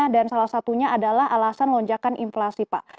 dan salah satunya adalah alasan lonjakan inflasi pak